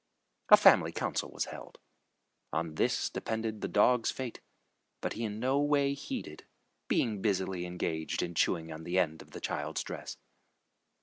A family council was held. On this depended the dog's fate, but he in no way heeded, being busily engaged in chewing the end of the child's dress.